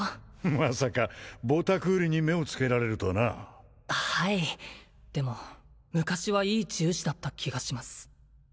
まさかボタクーリに目をつけられるとはなはいでも昔はいい治癒士だった気がします